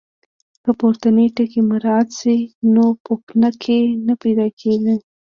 که پورتني ټکي مراعات شي نو پوپنکي نه پیدا کېږي.